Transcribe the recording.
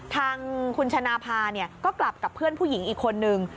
ทางคุณชนะพาก็กลับกับเพื่อนผู้หญิงอีกคนนึง